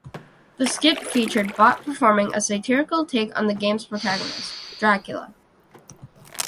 The skit featured Botte performing a satirical take on the game's protagonist, Dracula.